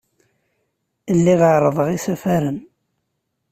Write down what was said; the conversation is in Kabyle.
Lliɣ ɛerrḍeɣ isafaren.